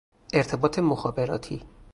ارتباط مخابراتی